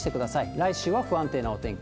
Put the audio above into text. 来週は不安定なお天気。